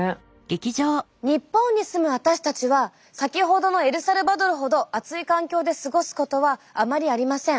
日本に住む私たちは先ほどのエルサルバドルほど暑い環境で過ごすことはあまりありません。